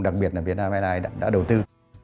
đặc biệt là vietnam airlines đã đầu tư